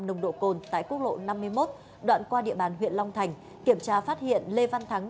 nồng độ cồn tại quốc lộ năm mươi một đoạn qua địa bàn huyện long thành kiểm tra phát hiện lê văn thắng